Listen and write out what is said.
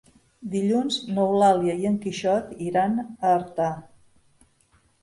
Dilluns n'Eulàlia i en Quixot iran a Artà.